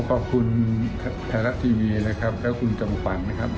ขอบคุณแผนรัฐทีมงานและคุณจมฝันนะครับ